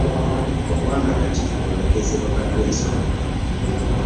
Obwanga kati tubwolekeze bakaggwensonyi.